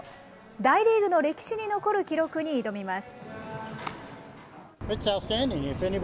大リーグの歴史に残る記録に挑みます。